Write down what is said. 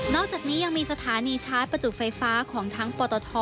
อกจากนี้ยังมีสถานีชาร์จประจุไฟฟ้าของทั้งปตท